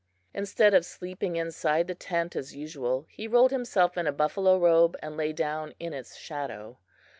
Instead of sleeping inside the tent as usual, he rolled himself in a buffalo robe and lay down in its shadow.